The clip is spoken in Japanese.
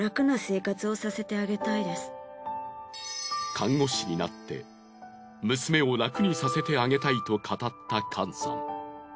看護士になって娘を楽にさせてあげたいと語ったカンさん。